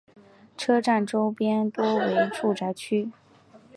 车站周边多为住宅区。